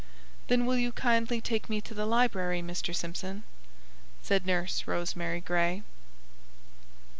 "Then, will you kindly take me to the library, Mr. Simpson," said Nurse Rosemary Gray.